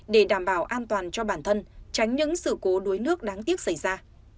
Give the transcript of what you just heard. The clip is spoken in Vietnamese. để đảm bảo an toàn cho bản thân tránh những sự cố đuối nước đáng tiếc xảy ra